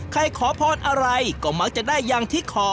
ขอพรอะไรก็มักจะได้อย่างที่ขอ